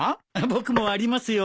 僕もありますよ。